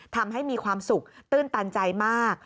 ทำให้มีความสุขตื้นตันใจมาก